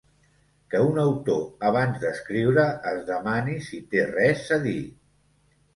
Que un autor, abans d’escriure, es demani si té res a dir.